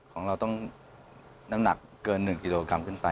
ของเราต้องน้ำหนักเกิน๑กิโลกรัมขึ้นไป